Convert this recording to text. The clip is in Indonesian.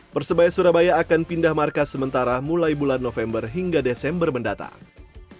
persebaya surabaya akan pindah markas sementara mulai bulan november hingga desember mendatang